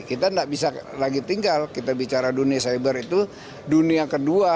kita tidak bisa lagi tinggal kita bicara dunia cyber itu dunia kedua